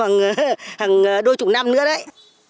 hàng đôi chục năm nữa đấy